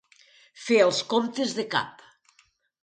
Fer els comptes de cap.